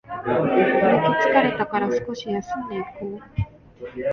歩き疲れたから少し休んでいこう